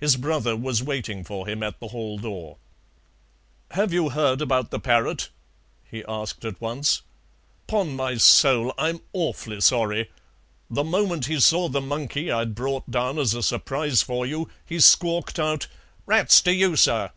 His brother was waiting for him at the hall door. "Have you heard about the parrot?" he asked at once. "'Pon my soul I'm awfully sorry. The moment he saw the monkey I'd brought down as a surprise for you he squawked out 'Rats to you, sir!'